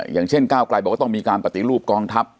อย่างเช่นก้าวกลายบอกว่าต้องมีการปฏิรูปกองทัพ